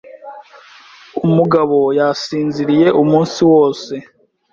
Umugabo yasinziriye umunsi wose.